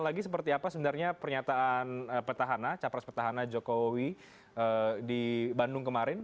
lagi seperti apa sebenarnya pernyataan petahana capres petahana jokowi di bandung kemarin